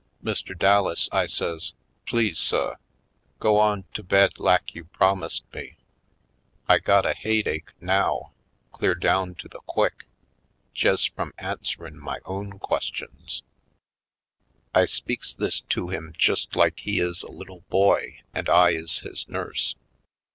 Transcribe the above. "Mr Dallas," I says, "please, suh, go on to bed lak you promised me. I got a haid ache now, clear down to the quick, jes' frum answerin' my own questions." 200 /. Poindexter^ Colored I speaks this to him just like he is a little boy and I is his nurse.